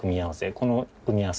この組み合わせ